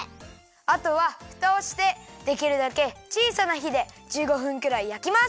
あとはフタをしてできるだけちいさなひで１５分くらいやきます。